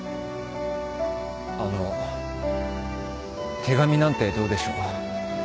あの手紙なんてどうでしょう。